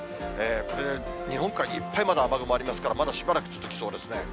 これで日本海にいっぱいまだ雨雲ありますから、まだしばらく続きそうですね。